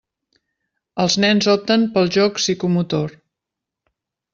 Els nens opten pel joc psicomotor.